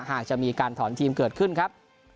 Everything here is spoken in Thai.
หากจะมีการถอนทีมเกิดขึ้นครับ